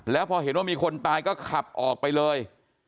แล้วพอเห็นว่ามีคนตายก็ขับออกไปเลย